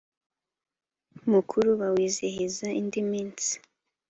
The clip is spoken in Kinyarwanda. mukuru z bawizihiza indi minsi